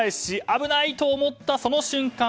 危ないと思ったその瞬間